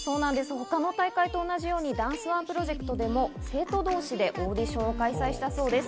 他の大会と同じようにダンスＯＮＥプロジェクトでも生徒同士でオーディションを開催したそうです。